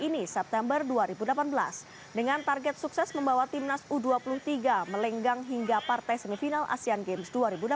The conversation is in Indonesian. ini september dua ribu delapan belas dengan target sukses membawa timnas u dua puluh tiga melenggang hingga partai semifinal asean games dua ribu delapan belas